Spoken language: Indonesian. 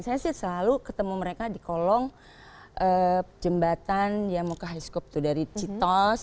saya sih selalu ketemu mereka di kolong jembatan ya muka highscope tuh dari citos